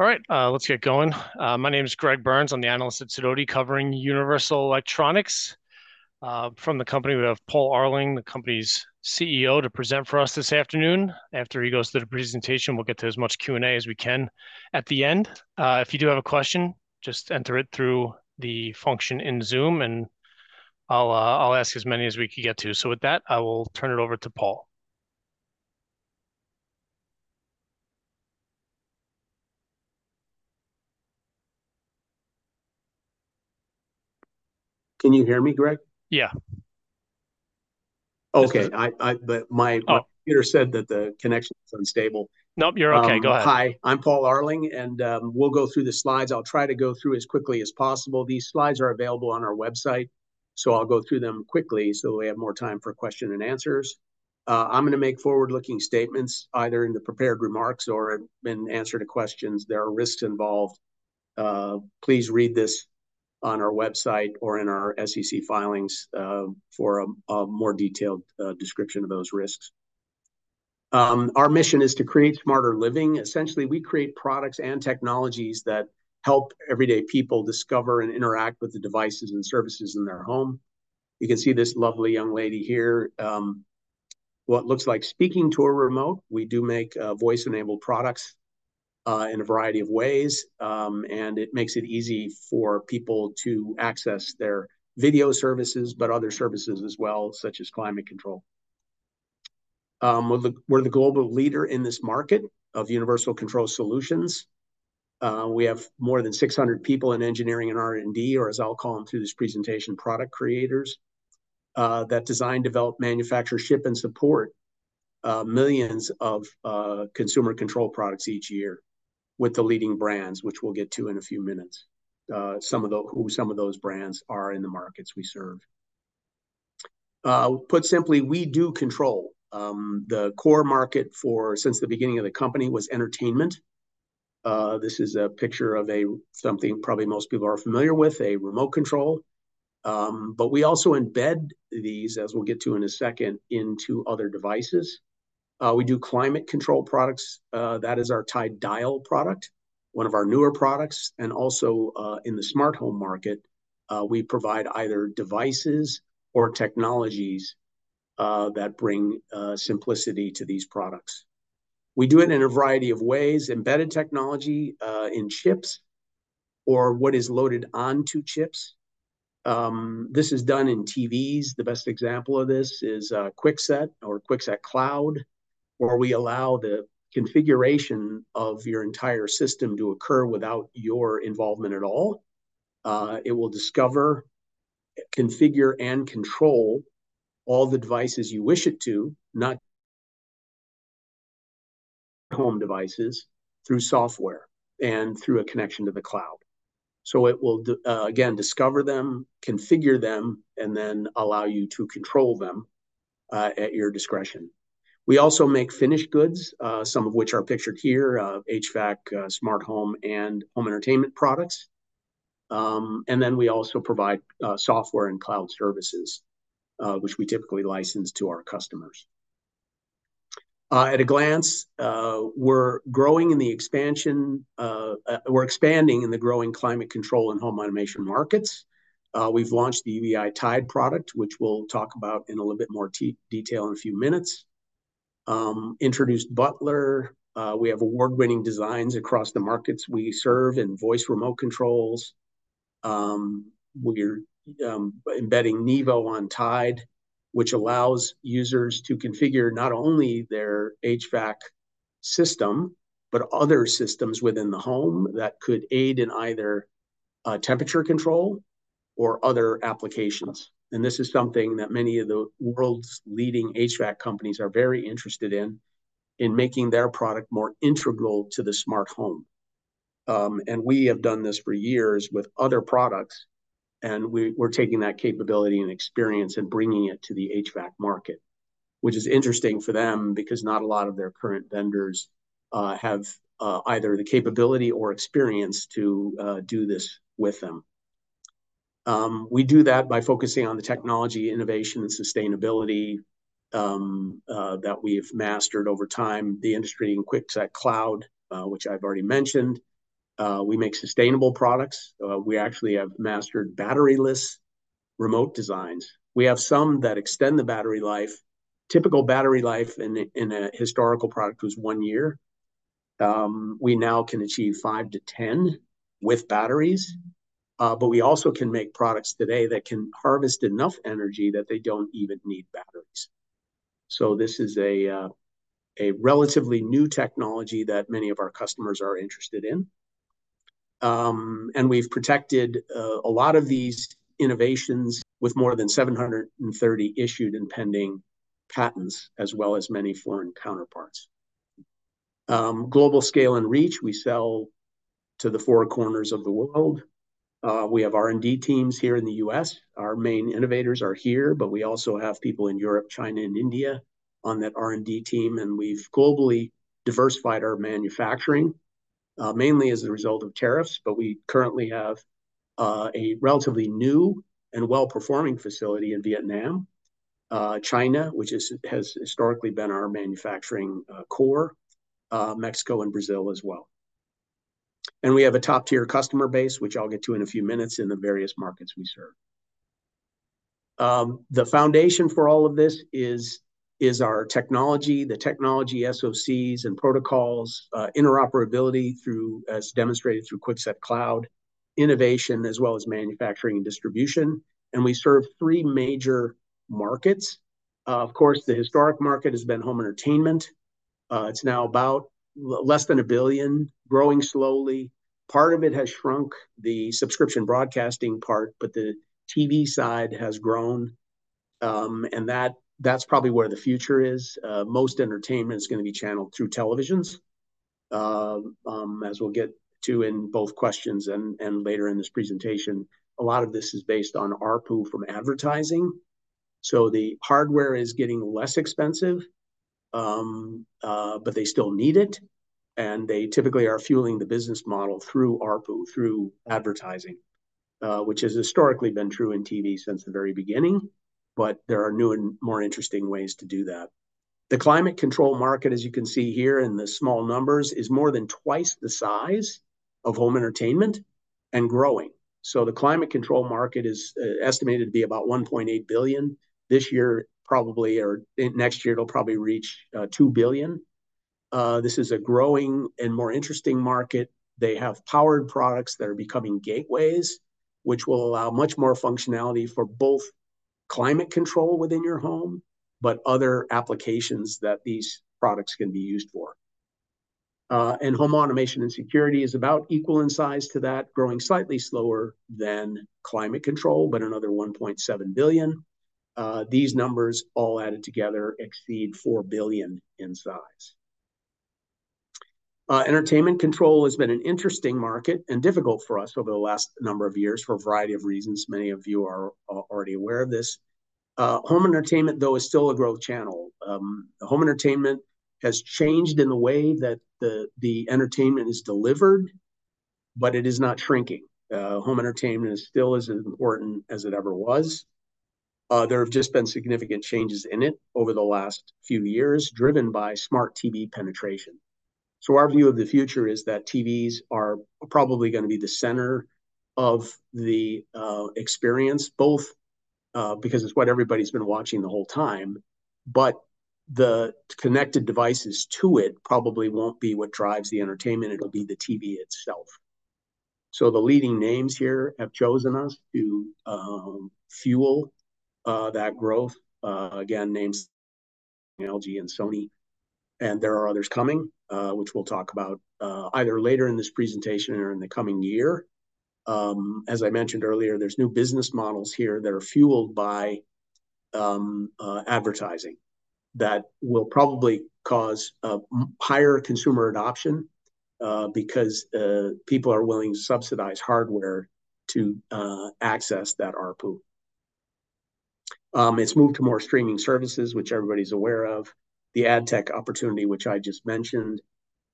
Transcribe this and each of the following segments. All right, let's get going. My name is Greg Burns. I'm the analyst at Sidoti, covering Universal Electronics. From the company, we have Paul Arling, the company's CEO, to present for us this afternoon. After he goes through the presentation, we'll get to as much Q&A as we can at the end. If you do have a question, just enter it through the function in Zoom, and I'll ask as many as we can get to. So with that, I will turn it over to Paul. Can you hear me, Greg? Yeah. Okay. But my computer said that the connection is unstable. Nope, you're okay. Go ahead. Hi, I'm Paul Arling, and we'll go through the slides. I'll try to go through as quickly as possible. These slides are available on our website, so I'll go through them quickly, so we have more time for question and answers. I'm gonna make forward-looking statements, either in the prepared remarks or in answer to questions. There are risks involved. Please read this on our website or in our SEC filings for a more detailed description of those risks. Our mission is to create smarter living. Essentially, we create products and technologies that help everyday people discover and interact with the devices and services in their home. You can see this lovely young lady here, what looks like speaking to a remote. We do make voice-enabled products in a variety of ways. And it makes it easy for people to access their video services, but other services as well, such as climate control. We're the global leader in this market of universal control solutions. We have more than six hundred people in engineering and R&D, or as I'll call them through this presentation, product creators, that design, develop, manufacture, ship, and support millions of consumer control products each year with the leading brands, which we'll get to in a few minutes. Some of those brands are in the markets we serve. Put simply, we do control. The core market, since the beginning of the company, was entertainment. This is a picture of something probably most people are familiar with: a remote control. But we also embed these, as we'll get to in a second, into other devices. We do climate control products. That is our TIDE Dial product, one of our newer products. And also, in the smart home market, we provide either devices or technologies that bring simplicity to these products. We do it in a variety of ways: embedded technology in chips, or what is loaded onto chips. This is done in TVs. The best example of this is QuickSet or QuickSet Cloud, where we allow the configuration of your entire system to occur without your involvement at all. It will discover, configure, and control all the devices you wish it to, home devices through software and through a connection to the cloud. So it will again discover them, configure them, and then allow you to control them at your discretion. We also make finished goods, some of which are pictured here, HVAC, smart home, and home entertainment products. And then we also provide software and cloud services, which we typically license to our customers. At a glance, we're expanding in the growing climate control and home automation markets. We've launched the UEI TIDE product, which we'll talk about in a little bit more detail in a few minutes. Introduced Butler. We have award-winning designs across the markets we serve in voice remote controls. We're embedding Nevo on TIDE, which allows users to configure not only their HVAC system, but other systems within the home that could aid in either temperature control or other applications. And this is something that many of the world's leading HVAC companies are very interested in making their product more integral to the smart home. And we have done this for years with other products, and we're taking that capability and experience and bringing it to the HVAC market. Which is interesting for them, because not a lot of their current vendors have either the capability or experience to do this with them. We do that by focusing on the technology, innovation, and sustainability that we've mastered over time, the industry-leading QuickSet Cloud, which I've already mentioned. We make sustainable products. We actually have mastered battery-less remote designs. We have some that extend the battery life. Typical battery life in a historical product was one year. We now can achieve five to 10 with batteries. But we also can make products today that can harvest enough energy that they don't even need batteries. So this is a relatively new technology that many of our customers are interested in. And we've protected a lot of these innovations with more than 730 issued and pending patents, as well as many foreign counterparts. Global scale and reach, we sell to the four corners of the world. We have R&D teams here in the U.S. Our main innovators are here, but we also have people in Europe, China, and India on that R&D team, and we've globally diversified our manufacturing, mainly as a result of tariffs, but we currently have a relatively new and well-performing facility in Vietnam, China, which has historically been our manufacturing core, Mexico and Brazil as well, and we have a top-tier customer base, which I'll get to in a few minutes, in the various markets we serve. The foundation for all of this is our technology, the technology SoCs and protocols, interoperability, as demonstrated through QuickSet Cloud, innovation, as well as manufacturing and distribution, and we serve three major markets. Of course, the historic market has been home entertainment. It's now about less than $1 billion, growing slowly. Part of it has shrunk, the subscription broadcasting part, but the TV side has grown, and that, that's probably where the future is. Most entertainment is gonna be channeled through televisions. As we'll get to in both questions and later in this presentation, a lot of this is based on ARPU from advertising, so the hardware is getting less expensive, but they still need it, and they typically are fueling the business model through ARPU, through advertising, which has historically been true in TV since the very beginning, but there are new and more interesting ways to do that. The climate control market, as you can see here in the small numbers, is more than twice the size of home entertainment, and growing. So the climate control market is estimated to be about $1.8 billion this year, probably, or next year, it'll probably reach $2 billion. This is a growing and more interesting market. They have powered products that are becoming gateways, which will allow much more functionality for both climate control within your home, but other applications that these products can be used for. And home automation and security is about equal in size to that, growing slightly slower than climate control, but another $1.7 billion. These numbers, all added together, exceed $4 billion in size. Entertainment control has been an interesting market, and difficult for us over the last number of years for a variety of reasons. Many of you are already aware of this. Home entertainment, though, is still a growth channel. Home entertainment has changed in the way that the entertainment is delivered, but it is not shrinking. Home entertainment is still as important as it ever was. There have just been significant changes in it over the last few years, driven by smart TV penetration. Our view of the future is that TVs are probably gonna be the center of the experience, both because it's what everybody's been watching the whole time, but the connected devices to it probably won't be what drives the entertainment, it'll be the TV itself. The leading names here have chosen us to fuel that growth. Again, names, LG and Sony, and there are others coming, which we'll talk about either later in this presentation or in the coming year. As I mentioned earlier, there's new business models here that are fueled by advertising that will probably cause higher consumer adoption because people are willing to subsidize hardware to access that ARPU. It's moved to more streaming services, which everybody's aware of, the ad tech opportunity, which I just mentioned,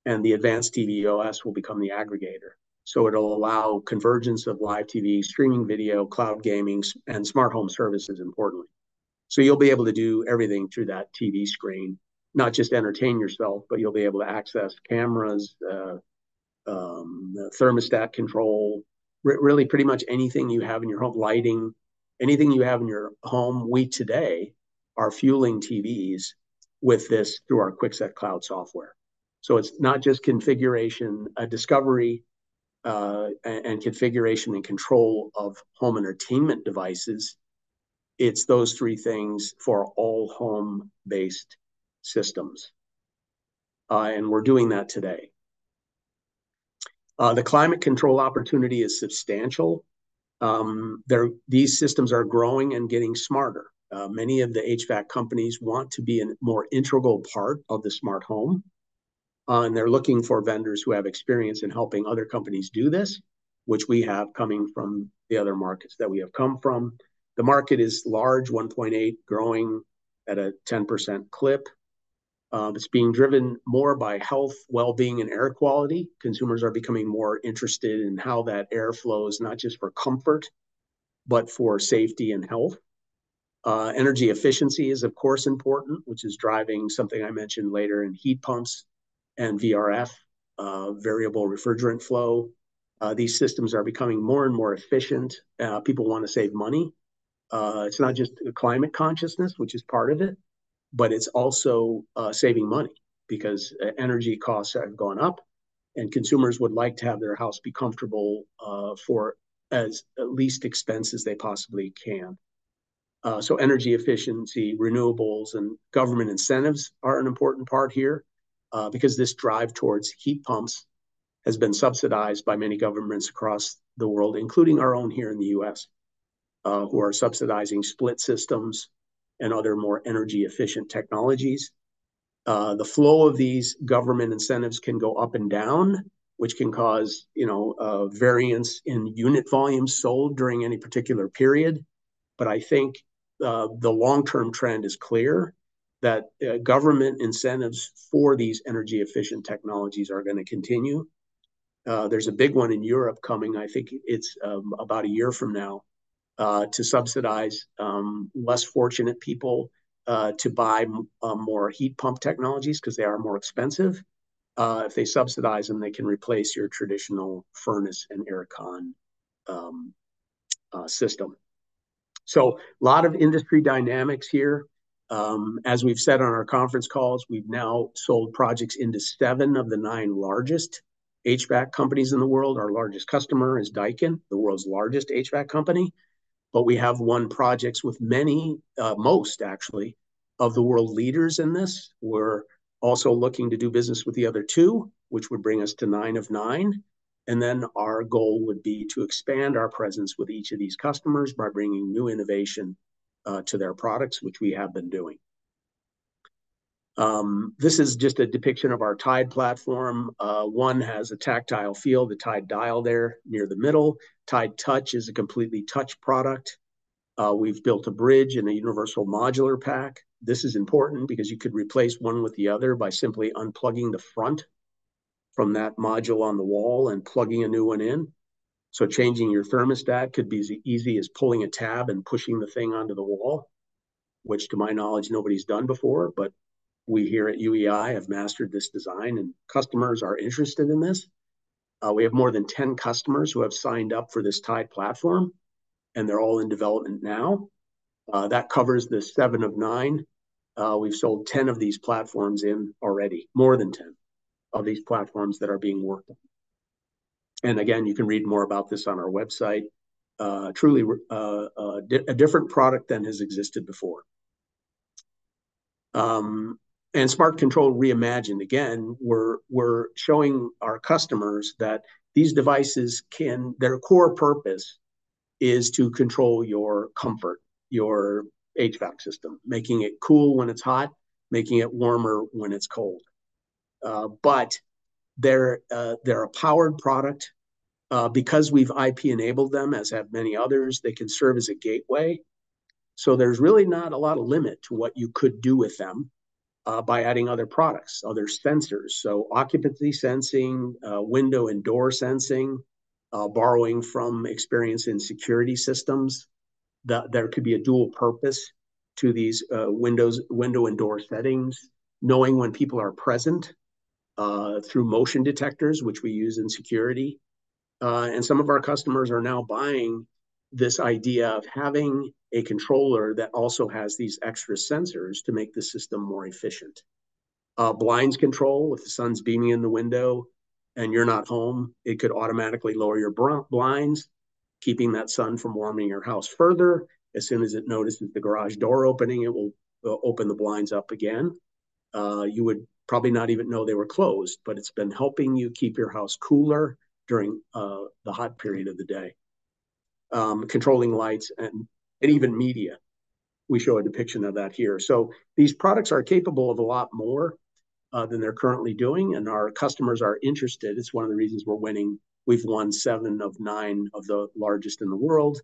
and the advanced TV OS will become the aggregator. So it'll allow convergence of live TV, streaming video, cloud gaming, and smart home services, importantly. So you'll be able to do everything through that TV screen. Not just entertain yourself, but you'll be able to access cameras, thermostat control, really pretty much anything you have in your home. Lighting, anything you have in your home. We today are fueling TVs with this through our QuickSet Cloud software. It's not just configuration, discovery, and configuration and control of home entertainment devices. It's those three things for all home-based systems. And we're doing that today. The climate control opportunity is substantial. These systems are growing and getting smarter. Many of the HVAC companies want to be a more integral part of the smart home, and they're looking for vendors who have experience in helping other companies do this, which we have, coming from the other markets that we have come from. The market is large, 1.8, growing at a 10% clip. It's being driven more by health, well-being, and air quality. Consumers are becoming more interested in how that air flows, not just for comfort, but for safety and health. Energy efficiency is, of course, important, which is driving something I mention later in heat pumps and VRF, variable refrigerant flow. These systems are becoming more and more efficient. People wanna save money. It's not just the climate consciousness, which is part of it, but it's also saving money, because energy costs have gone up, and consumers would like to have their house be comfortable for as least expense as they possibly can. So energy efficiency, renewables, and government incentives are an important part here, because this drive towards heat pumps has been subsidized by many governments across the world, including our own here in the U.S., who are subsidizing split systems and other, more energy-efficient technologies. The flow of these government incentives can go up and down, which can cause, you know, variance in unit volume sold during any particular period. But I think the long-term trend is clear, that government incentives for these energy-efficient technologies are gonna continue. There's a big one in Europe coming, I think it's about a year from now, to subsidize less fortunate people to buy more heat pump technologies, because they are more expensive. If they subsidize them, they can replace your traditional furnace and air con system. So a lot of industry dynamics here. As we've said on our conference calls, we've now sold projects into seven of the nine largest HVAC companies in the world. Our largest customer is Daikin, the world's largest HVAC company, but we have won projects with many, most actually, of the world leaders in this. We're also looking to do business with the other two, which would bring us to nine of nine, and then our goal would be to expand our presence with each of these customers by bringing new innovation to their products, which we have been doing. This is just a depiction of our TIDE platform. One has a tactile feel, the Tide Dial there, near the middle. TIDE Touch is a completely touch product. We've built a bridge in a universal modular pack. This is important, because you could replace one with the other by simply unplugging the front from that module on the wall and plugging a new one in. Changing your thermostat could be as easy as pulling a tab and pushing the thing onto the wall, which, to my knowledge, nobody's done before, but we here at UEI have mastered this design, and customers are interested in this. We have more than 10 customers who have signed up for this TIDE platform, and they're all in development now. That covers the seven of nine. We've sold 10 of these platforms already... more than 10 of these platforms that are being worked on. Again, you can read more about this on our website. Truly, a different product than has existed before. And Smart Control Reimagined, again, we're showing our customers that these devices their core purpose is to control your comfort, your HVAC system, making it cool when it's hot, making it warmer when it's cold. But they're a powered product. Because we've IP-enabled them, as have many others, they can serve as a gateway. So there's really not a lot of limit to what you could do with them by adding other products, other sensors. So occupancy sensing, window and door sensing, borrowing from experience in security systems, that there could be a dual purpose to these, windows, window and door settings. Knowing when people are present through motion detectors, which we use in security. And some of our customers are now buying this idea of having a controller that also has these extra sensors to make the system more efficient. Blinds control, if the sun's beaming in the window and you're not home, it could automatically lower your blinds, keeping that sun from warming your house further. As soon as it notices the garage door opening, it will open the blinds up again. You would probably not even know they were closed, but it's been helping you keep your house cooler during the hot period of the day. Controlling lights and even media. We show a depiction of that here. So these products are capable of a lot more than they're currently doing, and our customers are interested. It's one of the reasons we're winning. We've won seven of nine of the largest in the world.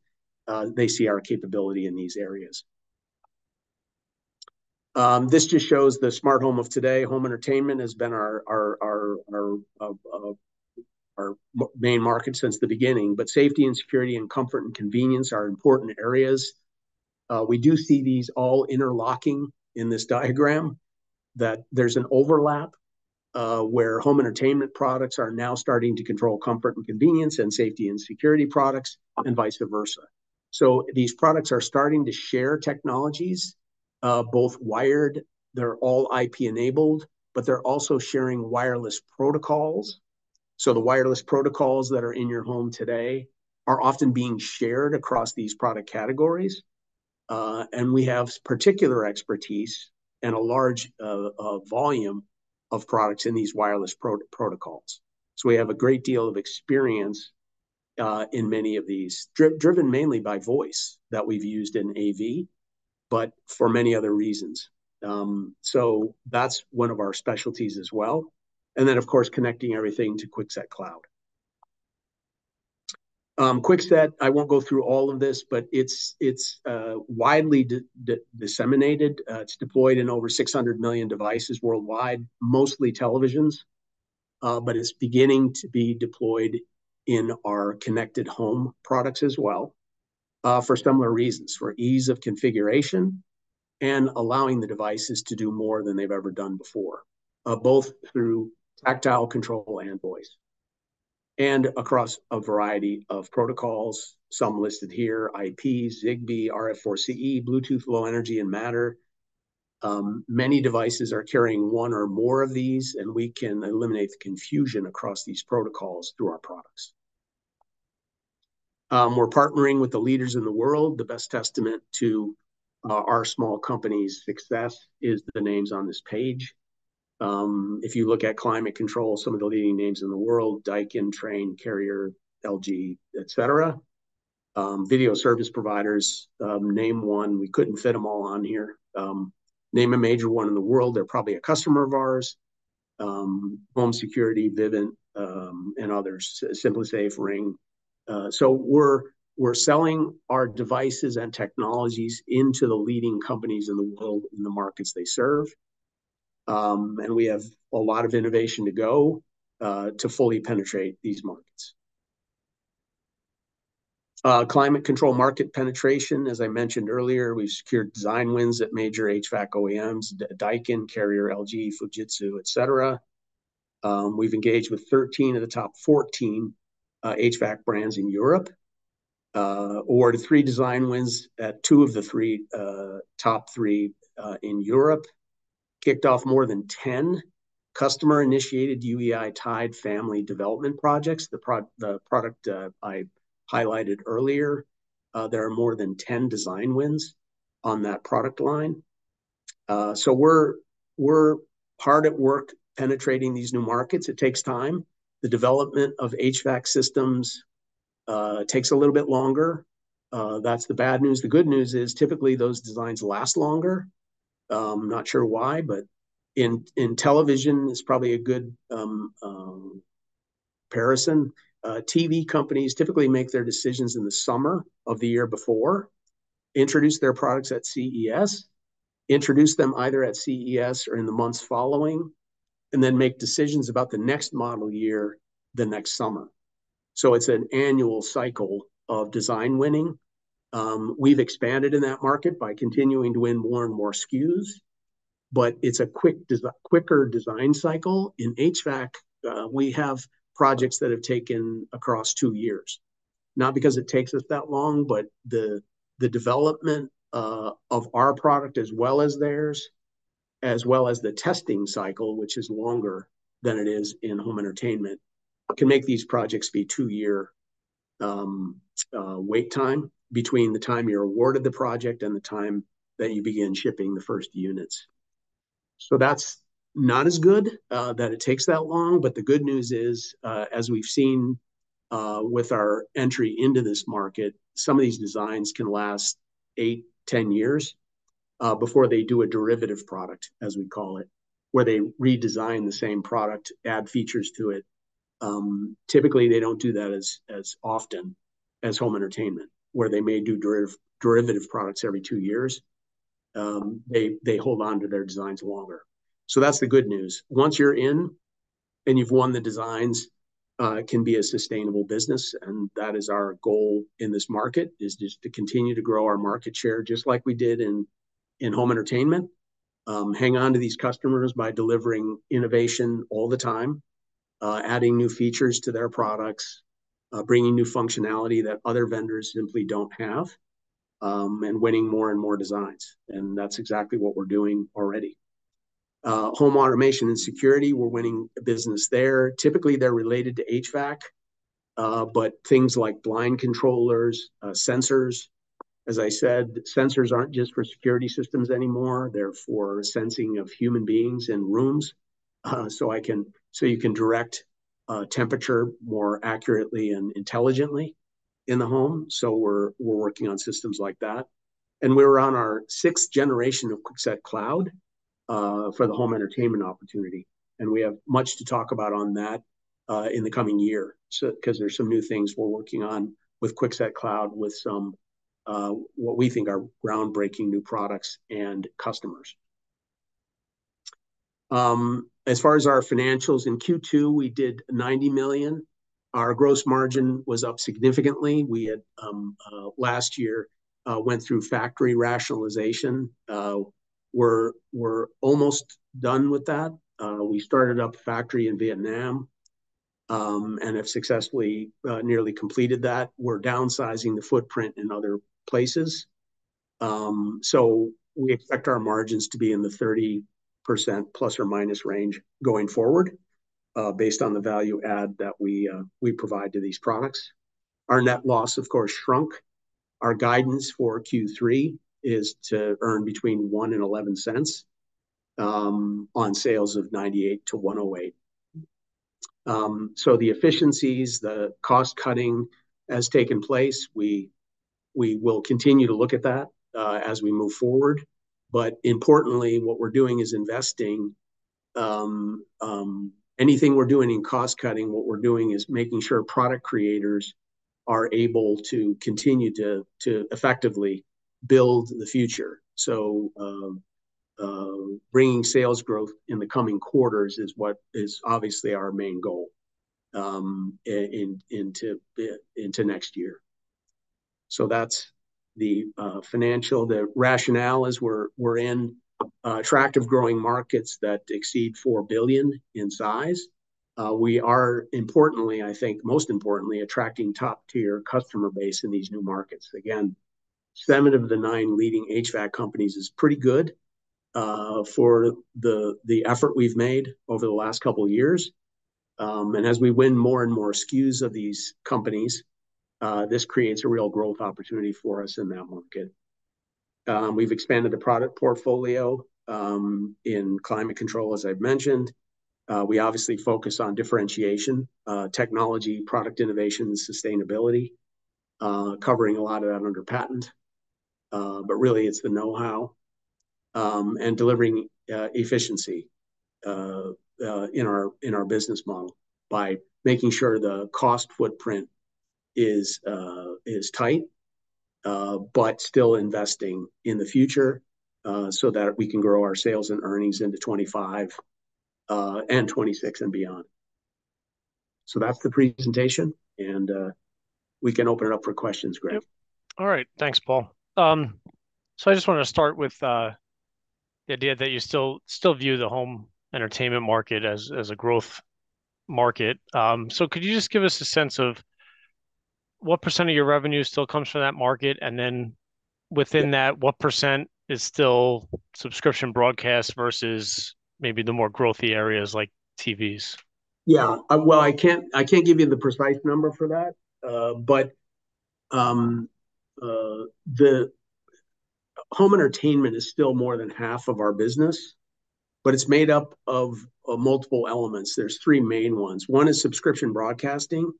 They see our capability in these areas. This just shows the smart home of today. Home entertainment has been our main market since the beginning, but safety and security and comfort and convenience are important areas. We do see these all interlocking in this diagram, that there's an overlap, where home entertainment products are now starting to control comfort and convenience, and safety and security products, and vice versa. So these products are starting to share technologies, both wired, they're all IP-enabled, but they're also sharing wireless protocols. The wireless protocols that are in your home today are often being shared across these product categories. And we have particular expertise and a large volume of products in these wireless protocols. So we have a great deal of experience in many of these, driven mainly by voice, that we've used in AV, but for many other reasons. So that's one of our specialties as well, and then, of course, connecting everything to QuickSet Cloud. QuickSet, I won't go through all of this, but it's widely disseminated. It's deployed in over six hundred million devices worldwide, mostly televisions, but it's beginning to be deployed in our connected home products as well, for similar reasons: for ease of configuration and allowing the devices to do more than they've ever done before, both through tactile control and voice. And across a variety of protocols, some listed here, IP, Zigbee, RF4CE, Bluetooth Low Energy, and Matter. Many devices are carrying one or more of these, and we can eliminate the confusion across these protocols through our products. We're partnering with the leaders in the world. The best testament to our small company's success is the names on this page. If you look at climate control, some of the leading names in the world, Daikin, Trane, Carrier, LG, et cetera. Video service providers, name one. We couldn't fit them all on here. Name a major one in the world, they're probably a customer of ours. Home security, Vivint, and others, SimpliSafe, Ring. So we're selling our devices and technologies into the leading companies in the world in the markets they serve and we have a lot of innovation to go to fully penetrate these markets. Climate control market penetration, as I mentioned earlier, we've secured design wins at major HVAC OEMs: Daikin, Carrier, LG, Fujitsu, et cetera. We've engaged with 13 of the top 14 HVAC brands in Europe. Awarded three design wins at two of the three top three in Europe. Kicked off more than 10 customer-initiated UEI TIDE family development projects, the product I highlighted earlier. There are more than 10 design wins on that product line. So we're hard at work penetrating these new markets. It takes time. The development of HVAC systems takes a little bit longer. That's the bad news. The good news is, typically, those designs last longer. Not sure why, but in television, it's probably a good comparison. TV companies typically make their decisions in the summer of the year before, introduce their products at CES, introduce them either at CES or in the months following, and then make decisions about the next model year the next summer. So it's an annual cycle of design winning. We've expanded in that market by continuing to win more and more SKUs, but it's a quicker design cycle. In HVAC, we have projects that have taken across two years, not because it takes us that long, but the development of our product as well as theirs, as well as the testing cycle, which is longer than it is in home entertainment, can make these projects be two-year wait time between the time you're awarded the project and the time that you begin shipping the first units. So that's not as good, that it takes that long, but the good news is, as we've seen, with our entry into this market, some of these designs can last eight, 10 years, before they do a derivative product, as we call it, where they redesign the same product, add features to it. Typically, they don't do that as often as home entertainment, where they may do derivative products every two years. They hold on to their designs longer. So that's the good news. Once you're in and you've won the designs, it can be a sustainable business, and that is our goal in this market, is just to continue to grow our market share, just like we did in home entertainment. Hang on to these customers by delivering innovation all the time, adding new features to their products, bringing new functionality that other vendors simply don't have, and winning more and more designs, and that's exactly what we're doing already. Home automation and security, we're winning business there. Typically, they're related to HVAC, but things like blind controllers, sensors. As I said, sensors aren't just for security systems anymore. They're for sensing of human beings in rooms, so you can direct temperature more accurately and intelligently in the home. So we're working on systems like that. And we're on our sixth generation of QuickSet Cloud, for the home entertainment opportunity, and we have much to talk about on that, in the coming year, so 'cause there's some new things we're working on with QuickSet Cloud, with some, what we think are groundbreaking new products and customers. As far as our financials, in Q2, we did $90 million. Our gross margin was up significantly. We had, last year, went through factory rationalization. We're almost done with that. We started up a factory in Vietnam, and have successfully nearly completed that. We're downsizing the footprint in other places. So we expect our margins to be in the 30% plus or minus range going forward, based on the value add that we provide to these products. Our net loss, of course, shrunk. Our guidance for Q3 is to earn between $0.01 and $0.11 on sales of $98 million-$108 million. The efficiencies, the cost cutting, has taken place. We will continue to look at that as we move forward. Importantly, what we're doing is investing. Anything we're doing in cost cutting, what we're doing is making sure product creators are able to continue to effectively build the future. Bringing sales growth in the coming quarters is what is obviously our main goal into next year. That's the financial. The rationale is we're in attractive growing markets that exceed $4 billion in size. We are importantly, I think, most importantly, attracting top-tier customer base in these new markets. Again, seven of the nine leading HVAC companies is pretty good, for the effort we've made over the last couple years, and as we win more and more SKUs of these companies, this creates a real growth opportunity for us in that market. We've expanded the product portfolio, in climate control, as I've mentioned. We obviously focus on differentiation, technology, product innovation, and sustainability, covering a lot of that under patent, but really, it's the know-how and delivering efficiency in our business model by making sure the cost footprint is tight, but still investing in the future, so that we can grow our sales and earnings into 2025 and 2026 and beyond, so that's the presentation, and we can open it up for questions, Greg. All right. Thanks, Paul. I just wanted to start with the idea that you still view the home entertainment market as a growth market. Could you just give us a sense of what percent of your revenue still comes from that market? And then within that, what percent is still subscription broadcast versus maybe the more growthy areas like TVs? Yeah, well, I can't give you the precise number for that. But the home entertainment is still more than half of our business, but it's made up of multiple elements. There's three main ones. One is subscription broadcasting,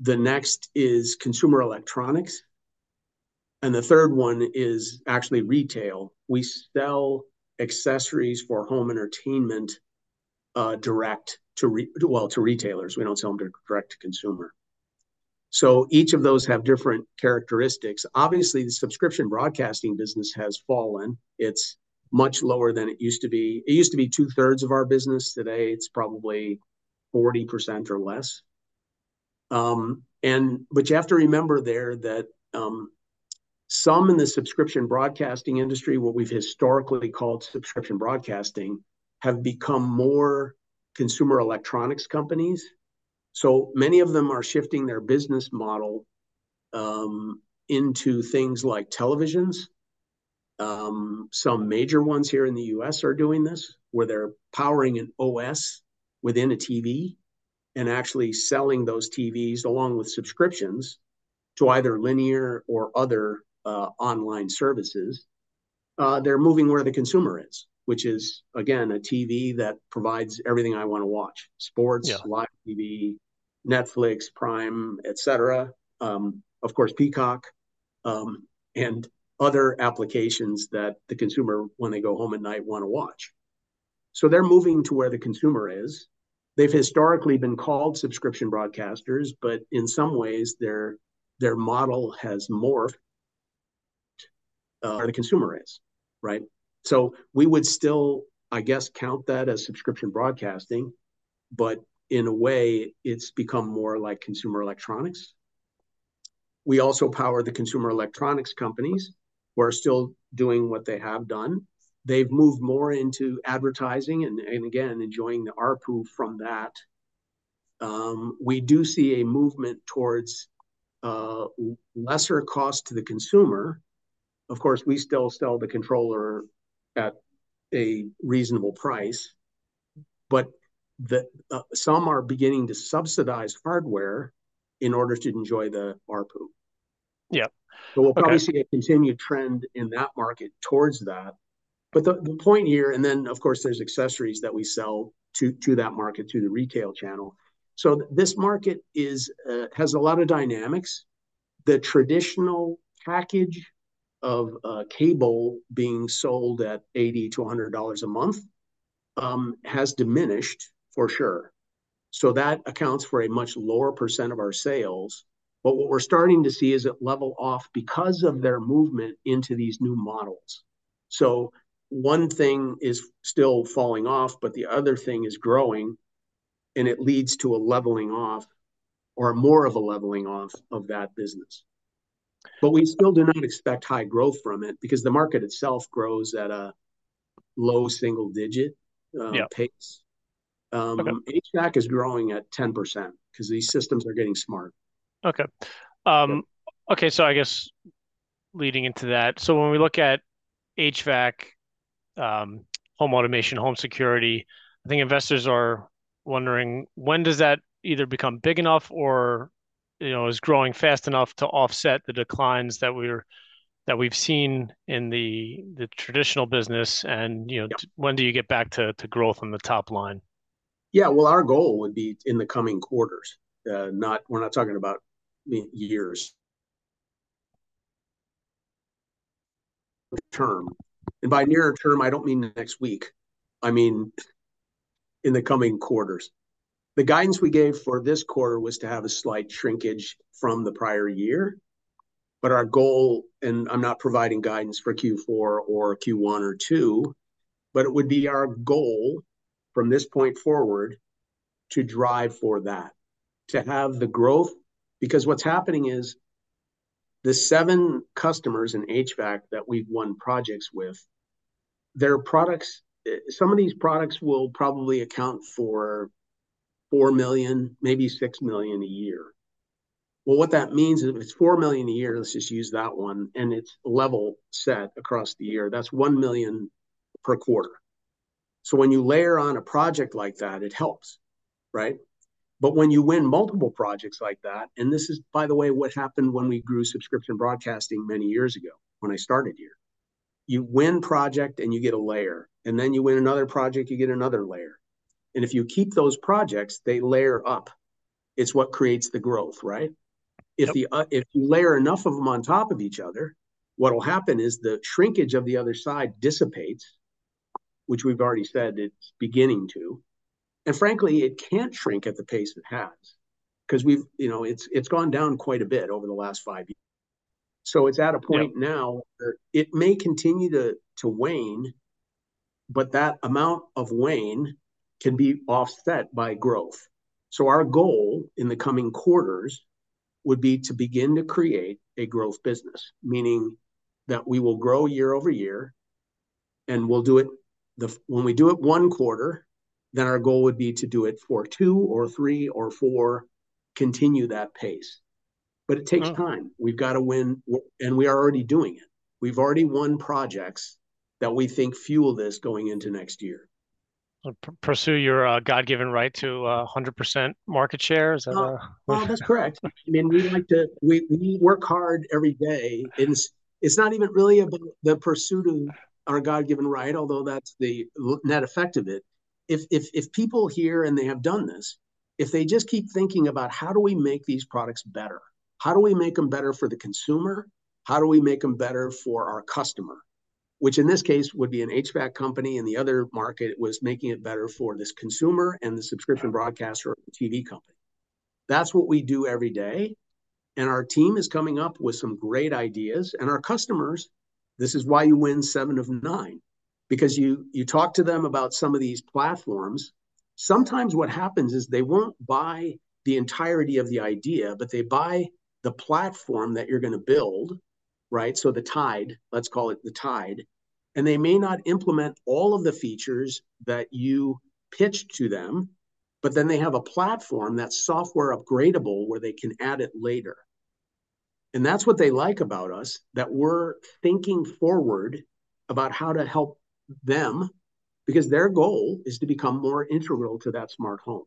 the next is consumer electronics, and the third one is actually retail. We sell accessories for home entertainment direct to retailers. We don't sell them direct to consumer. So each of those have different characteristics. Obviously, the subscription broadcasting business has fallen. It's much lower than it used to be. It used to be two-thirds of our business. Today, it's probably 40% or less. And but you have to remember there that some in the subscription broadcasting industry, what we've historically called subscription broadcasting, have become more consumer electronics companies. So many of them are shifting their business model into things like televisions. Some major ones here in the U.S. are doing this, where they're powering an OS within a TV, and actually selling those TVs, along with subscriptions, to either linear or other online services. They're moving where the consumer is, which is, again, a TV that provides everything I wanna watch: sports live TV, Netflix, Prime, et cetera. Of course, Peacock, and other applications that the consumer, when they go home at night, want to watch. So they're moving to where the consumer is. They've historically been called subscription broadcasters, but in some ways, their model has morphed where the consumer is, right? So we would still, I guess, count that as subscription broadcasting, but in a way, it's become more like consumer electronics. We also power the consumer electronics companies, who are still doing what they have done. They've moved more into advertising and again, enjoying the ARPU from that. We do see a movement towards lesser cost to the consumer. Of course, we still sell the controller at a reasonable price, but the some are beginning to subsidize hardware in order to enjoy the ARPU. So we'll probably see a continued trend in that market towards that. But the point here. And then, of course, there's accessories that we sell to that market, through the retail channel. So this market has a lot of dynamics. The traditional package of cable being sold at $80-$100 a month, has diminished, for sure. So that accounts for a much lower % of our sales. But what we're starting to see is it level off because of their movement into these new models. So one thing is still falling off, but the other thing is growing, and it leads to a leveling off, or more of a leveling off, of that business. But we still do not expect high growth from it, because the market itself grows at a low single digit pace. HVAC is growing at 10%, 'cause these systems are getting smart. Okay. Okay, so I guess leading into that, so when we look at HVAC, home automation, home security, I think investors are wondering: When does that either become big enough or, you know, is growing fast enough to offset the declines that we've seen in the traditional business? You know, when do you get back to growth on the top line? Yeah, well, our goal would be in the coming quarters. Not, we're not talking about many years. The nearer term, and by nearer term, I don't mean next week. I mean in the coming quarters. The guidance we gave for this quarter was to have a slight shrinkage from the prior year, but our goal... and I'm not providing guidance for Q4 or Q1 or 2, but it would be our goal, from this point forward, to drive for that, to have the growth. Because what's happening is, the seven customers in HVAC that we've won projects with, their products, some of these products will probably account for $4 million, maybe $6 million a year. Well, what that means, if it's $4 million a year, let's just use that one, and it's level set across the year, that's $1 million per quarter. So when you layer on a project like that, it helps, right? But when you win multiple projects like that, and this is, by the way, what happened when we grew subscription broadcasting many years ago, when I started here. You win project, and you get a layer, and then you win another project, you get another layer. And if you keep those projects, they layer up. It's what creates the growth, right? If you layer enough of them on top of each other, what'll happen is the shrinkage of the other side dissipates, which we've already said it's beginning to, and frankly, it can't shrink at the pace it has. 'Cause we've, you know, it's gone down quite a bit over the last five years. So it's at a point now where it may continue to wane, but that amount of wane can be offset by growth. So our goal in the coming quarters would be to begin to create a growth business, meaning that we will grow year-over-year, and we'll do it when we do it one quarter, then our goal would be to do it for two or three or four, continue that pace. But it takes time. We've got to win and we are already doing it. We've already won projects that we think fuel this going into next year. Pursue your God-given right to 100% market share? Is that a - That's correct. I mean, we like to. We work hard every day. It's not even really about the pursuit of our God-given right, although that's the net effect of it. If people here, and they have done this, if they just keep thinking about, "How do we make these products better? How do we make them better for the consumer? How do we make them better for our customer?" Which in this case would be an HVAC company, and the other market was making it better for the consumer and the subscription broadcaster or the TV company. That's what we do every day, and our team is coming up with some great ideas. Our customers, this is why you win seven of nine. Because you talk to them about some of these platforms. Sometimes what happens is they won't buy the entirety of the idea, but they buy the platform that you're gonna build, right? So the Tide, let's call it the Tide, and they may not implement all of the features that you pitched to them, but then they have a platform that's software upgradable, where they can add it later. And that's what they like about us, that we're thinking forward about how to help them, because their goal is to become more integral to that smart home.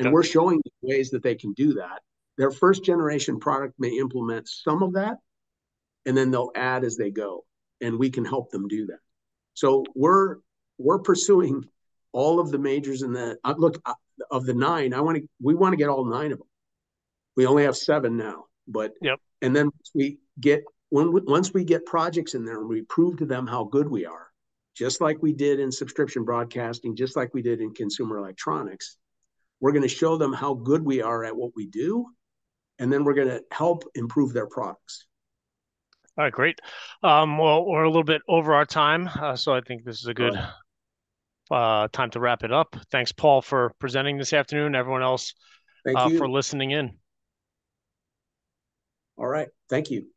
We're showing ways that they can do that. Their first-generation product may implement some of that, and then they'll add as they go, and we can help them do that. We're pursuing all of the majors in the of the nine, we wanna get all nine of them. We only have seven now, but- And then once we get projects in there, and we prove to them how good we are, just like we did in subscription broadcasting, just like we did in consumer electronics, we're gonna show them how good we are at what we do, and then we're gonna help improve their products. All right, great. Well, we're a little bit over our time, so I think this is a good time to wrap it up. Thanks, Paul, for presenting this afternoon, everyone else for listening in. All right. Thank you.